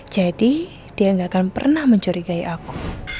jadi dia gak akan pernah mencurigai aku